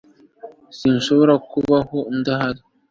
Sinshobora kubaho adahari